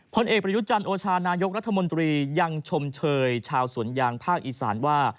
ผลเอกประยุจันทร์โอชานายกรัฐมนตรียังชมเชยชาวสวนยางภาคอีสานว่า